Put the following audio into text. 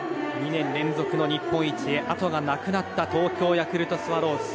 ２年連続の日本一へあとがなくなった東京ヤクルトスワローズ。